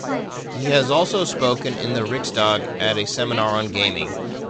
He has also spoken in the Riksdag at a seminar on gaming.